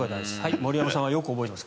森山さんはよく覚えています。